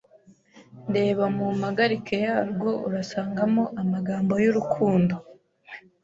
Reba mu mpagarike yarwo urasngamo amagambo yurukundo.